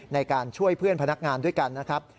ในการช่วยเพื่อนพนักงานด้วยกันนะครับ